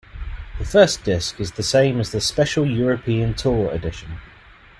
The first disc is the same as the Special European Tour edition.